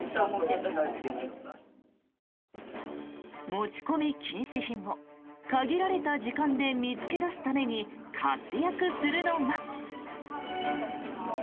持ち込み禁止品を限られた時間で見つけ出すために活躍するのが。